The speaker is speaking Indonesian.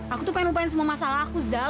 aku tuh pengen lupain semua masalah aku zal